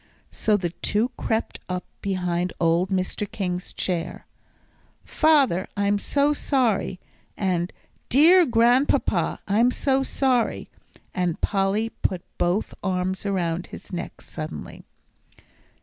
So the two crept up behind old Mr. King's chair: "Father, I'm so sorry," and "Dear Grandpapa, I'm so sorry," and Polly put both arms around his neck suddenly.